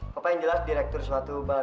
papa yang jelas direktur suatu bank